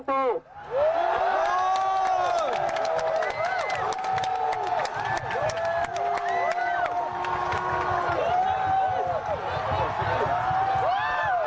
ประยุทธ์ออกไป